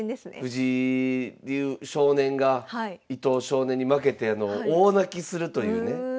藤井少年が伊藤少年に負けて大泣きするというね。